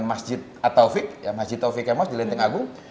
masjid attawfiq masjid attawfiq kmos di linteng agung